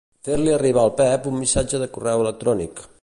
Fer-li arribar al Pep un missatge de correu electrònic.